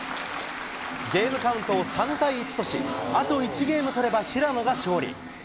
ゲームカウントを３対１とし、あと１ゲーム取れば平野が勝利。